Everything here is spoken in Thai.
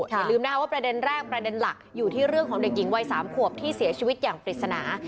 อย่าลืมนะคะว่าประเด็นแรกประเด็นหลักอยู่ที่เรื่องของเด็กหญิงวัย๓ขวบที่เสียชีวิตอย่างปริศนา